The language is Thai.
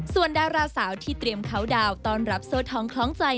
ส่วนดาราสาวที่เตรียมเขาดาวนต้อนรับโซ่ทองคล้องใจ